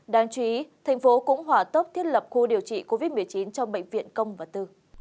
đáng chú ý thành phố cũng hỏa tốc thiết lập khu điều trị covid một mươi chín